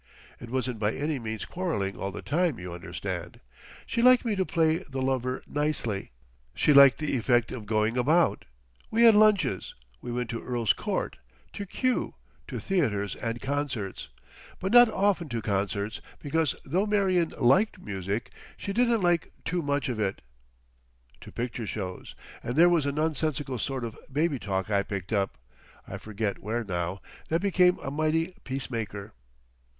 It wasn't by any means quarreling all the time, you understand. She liked me to play the lover "nicely"; she liked the effect of going about—we had lunches, we went to Earl's Court, to Kew, to theatres and concerts, but not often to concerts, because, though Marion "liked" music, she didn't like "too much of it," to picture shows—and there was a nonsensical sort of babytalk I picked up—I forget where now—that became a mighty peacemaker.